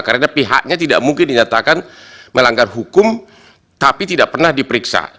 karena pihaknya tidak mungkin dinyatakan melanggar hukum tapi tidak pernah diperiksa